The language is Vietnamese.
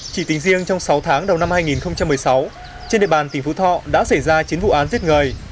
chỉ tính riêng trong sáu tháng đầu năm hai nghìn một mươi sáu trên địa bàn tỉnh phú thọ đã xảy ra chín vụ án giết người